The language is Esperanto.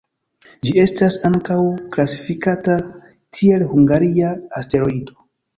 Ĝi estas ankaŭ klasifikata kiel hungaria asteroido.